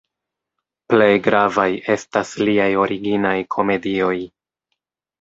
Plej gravaj estas liaj originaj komedioj.